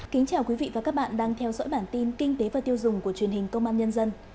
kính chào quý vị và các bạn đang theo dõi bản tin kinh tế và tiêu dùng của truyền hình công an nhân dân